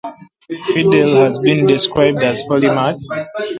Friedell has been described as a polymath.